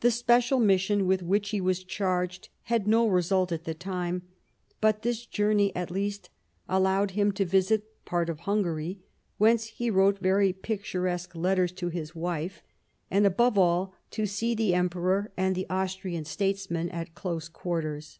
The special mission with which he was charged had no result at the time, but this journey at least allowed him to visit part of Hungary — ^whence he wrote very picturesque letters to his wife — and, 40 Years of Preparation above all, to see the Emperor and the Austrian statesmen at close quarters.